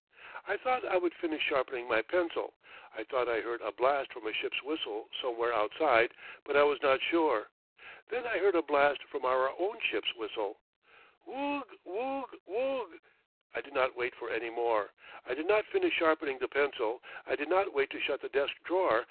I thought I would finish sharpening my pencil. I thought I heard a blast from a ship's whistle somewhere outside; but I was not sure. Then I heard a blast from our own ship's whistle. Wugh wugh wugh! I did not wait for any more. I did not finish sharpening the pencil. I did not wait to shut the desk drawer.